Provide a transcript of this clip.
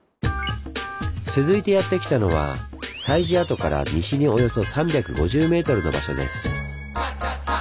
続いてやって来たのは西寺跡から西におよそ３５０ｍの場所です。